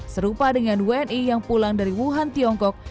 serupa dengan wni yang pulang dari wuhan tiongkok